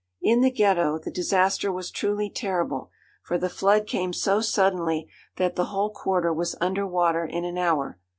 In the Ghetto the disaster was truly terrible, for the flood came so suddenly that the whole quarter was under water in an hour.